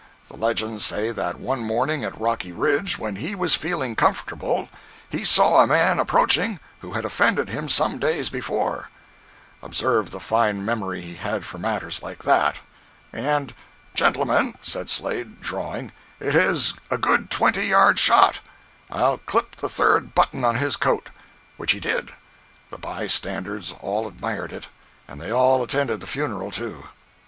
The legends say that one morning at Rocky Ridge, when he was feeling comfortable, he saw a man approaching who had offended him some days before—observe the fine memory he had for matters like that—and, "Gentlemen," said Slade, drawing, "it is a good twenty yard shot—I'll clip the third button on his coat!" Which he did. The bystanders all admired it. And they all attended the funeral, too.